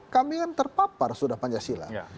kami kan terpapar sudah pancasila